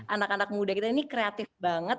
anak anak muda kita ini kreatif banget